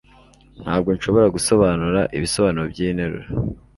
Ntabwo nshobora gusobanura ibisobanuro byiyi nteruro.